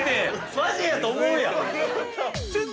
マジやと思うやん。